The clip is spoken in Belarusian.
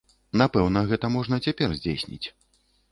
Напэўна, гэта можна цяпер здзейсніць.